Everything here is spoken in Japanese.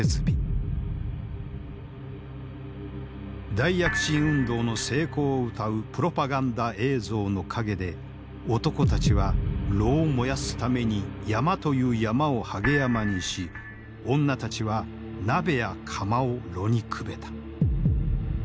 大躍進運動の成功をうたうプロパガンダ映像の陰で男たちは炉を燃やすために山という山をはげ山にし女たちは鍋や釜を炉にくべた。